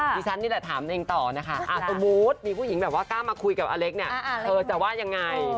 ฉันนี่แหละถามเองต่อนะคะสมมุติมีผู้หญิงแบบว่ากล้ามาคุยกับอเล็กเนี่ยเธอจะว่ายังไง